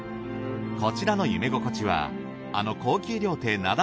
こちらの夢ごこちはあの高級料亭なだ